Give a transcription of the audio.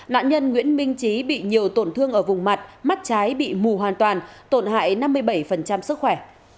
nạn nhân nguyễn minh trí bị nhiều tổn thương ở vùng mặt mắt trái bị mù hoàn toàn tổn hại năm mươi bảy sức khỏe